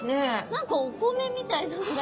何かお米みたいなのが。